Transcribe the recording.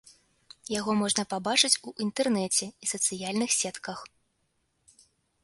Яго можна пабачыць у інтэрнэце і сацыяльных сетках.